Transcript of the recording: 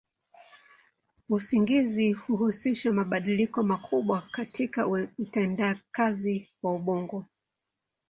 Usingizi huhusisha mabadiliko makubwa katika utendakazi wa ubongo.